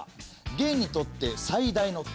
元にとって最大の敵。